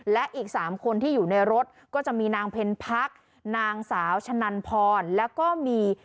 และอีก๓คนที่อยู่ในรถก็จะมีนางเพ็ญพักนางสาวชะนันพรแล้วก็มี